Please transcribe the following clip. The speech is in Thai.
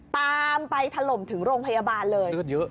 ตามไปถล่มถึงโรงพยาบาลเลย